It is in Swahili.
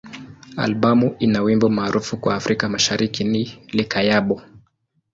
Albamu ina wimbo maarufu kwa Afrika Mashariki ni "Likayabo.